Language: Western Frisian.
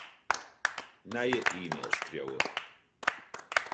Nije e-mail skriuwe.